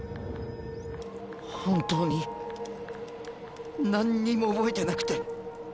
本当になんにも覚えてなくて。